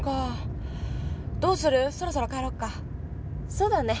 そうだね。